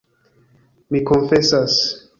Mi konfesas.